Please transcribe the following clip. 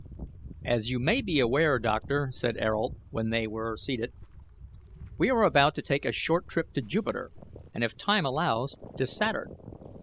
"As you may be aware, doctor," said Ayrault, when they were seated, "we are about to take a short trip to Jupiter, and, if time allows, to Saturn.